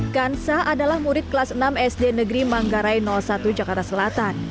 kansa adalah murid kelas enam sd negeri manggarai satu jakarta selatan